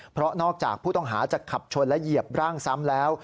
เพราะนอกจากผู้ต้องหาจะขับชนและเหยียบร่างซ้ำแล้ว